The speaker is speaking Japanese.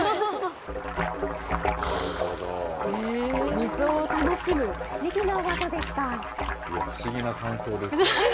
水を楽しむ不思議な技でした。